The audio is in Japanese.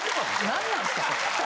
何なんすかそれ？